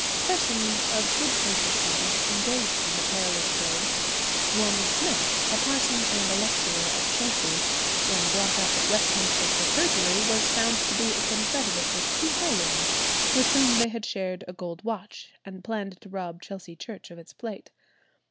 Persons of good social status engaged in the perilous trade. One Smith, a parson and a lecturer at Chelsea, when brought up at Westminster for perjury, was found to be a confederate with two highwaymen, with whom they had shared a gold watch, and planned to rob Chelsea Church of its plate.